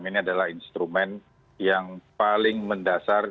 ini adalah instrumen yang paling mendasar